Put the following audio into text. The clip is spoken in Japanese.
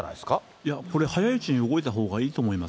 いや、これ、早いうちに動いたほうがいいと思います。